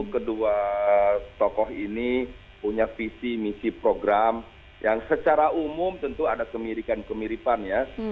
kedua tokoh ini punya visi misi program yang secara umum tentu ada kemirikan kemiripan ya